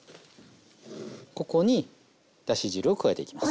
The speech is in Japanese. ここにだし汁を加えていきます。